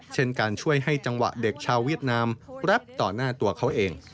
เช่นการช่วยให้จังหวะเด็กชาวเวียดนามแรปต่อหน้าตัวเขาเอง